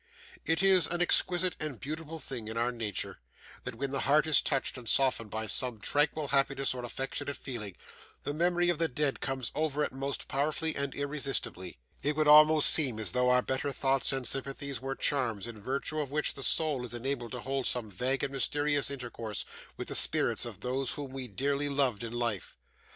It is an exquisite and beautiful thing in our nature, that when the heart is touched and softened by some tranquil happiness or affectionate feeling, the memory of the dead comes over it most powerfully and irresistibly. It would almost seem as though our better thoughts and sympathies were charms, in virtue of which the soul is enabled to hold some vague and mysterious intercourse with the spirits of those whom we dearly loved in life.